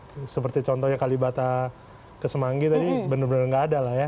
jadi seperti contohnya kalipata ke semanggi tadi benar benar nggak ada lah ya